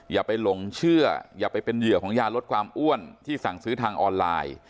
อย่าไปหลงเชื่ออย่าไปเป็นเหยื่อของยาลดความอ้วนที่สั่งซื้อทางออนไลน์